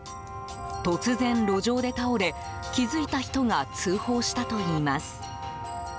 突然、路上で倒れ気づいた人が通報したといいます。